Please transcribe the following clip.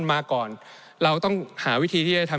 ในช่วงที่สุดในรอบ๑๖ปี